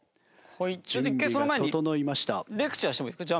ちょっと一回その前にレクチャーしてもいいですか？